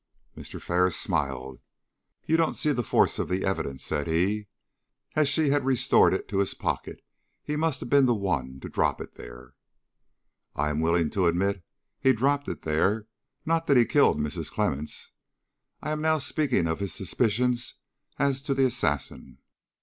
Mr. Ferris smiled. "You don't see the force of the evidence," said he. "As she had restored it to his pocket, he must have been the one to drop it there." "I am willing to admit he dropped it there, not that he killed Mrs. Clemmens. I am now speaking of his suspicions as to the assassin.